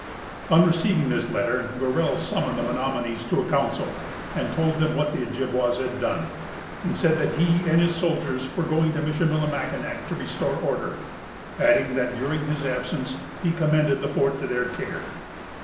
On receiving this letter, Gorell summoned the Menomonies to a council, told them what the Ojibwas had done, and said that he and his soldiers were going to Michillimackinac to restore order; adding, that during his absence he commended the fort to their care.